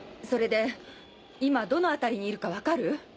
それで今どの辺りにいるか分かる？